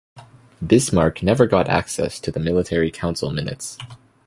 Bismarck never got access to the Military Council minutes.